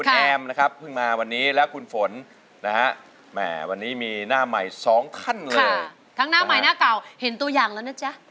เห็นตัวอย่างละนะจ๊ะ